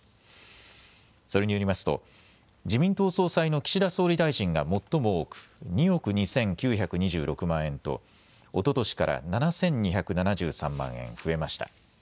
それによりますと自民党総裁の岸田総理大臣が最も多く２億２９２６万円とおととしから７２７３万円増えました。